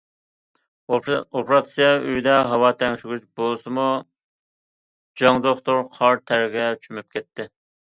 ئوپېراتسىيە ئۆيىدە ھاۋا تەڭشىگۈچ بولسىمۇ جاڭ دوختۇر قارا تەرگە چۆمۈپ كەتتى.